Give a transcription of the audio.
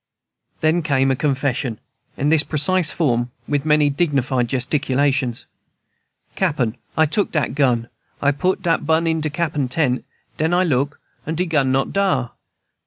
Then came a confession, in this precise form, with many dignified gesticulations: "Cappen! I took dat gun, and I put bun in Cappen tent. Den I look, and de gun not dar!